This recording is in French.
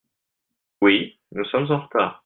Oui, nous sommes en retard.